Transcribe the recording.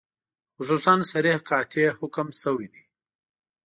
خصوصاً صریح قاطع حکم شوی دی.